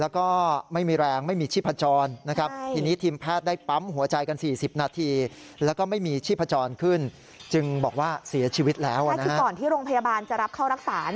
ก่อนที่โรงพยาบาลจะรับเข้ารักษา